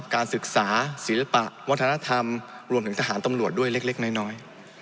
การศึกษาศิลปะวัฒนธรรมรวมถึงทหารตำรวจด้วยเล็กน้อย